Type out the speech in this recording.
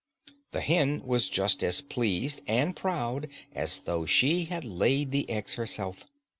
The hen was just as pleased and proud as though she had laid the eggs herself.